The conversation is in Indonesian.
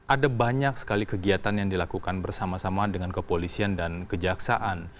ada banyak sekali kegiatan yang dilakukan bersama sama dengan kepolisian dan kejaksaan